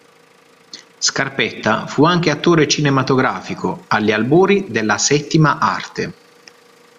Scarpetta fu anche attore cinematografico agli albori della “settima arte”.